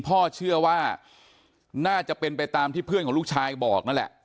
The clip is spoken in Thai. พ่อเชื่อว่าน่าจะเป็นไปตามที่เพื่อนของลูกชายบอกนั่นแหละ